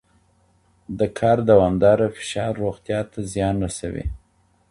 د کار دوامداره فشار روغتیا ته زیان رسوي.